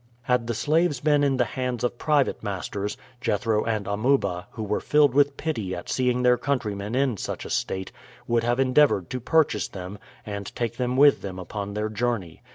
Had the slaves been in the hands of private masters, Jethro and Amuba, who were filled with pity at seeing their countrymen in such a state, would have endeavored to purchase them and take them with them upon their journey.